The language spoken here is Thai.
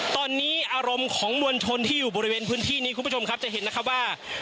ตอนนี้อารมณ์ของมวลชนที่อยู่บริเวณพื้นที่นี้คุณผู้ชมครับจะเห็นนะครับว่า